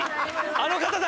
あの方だ！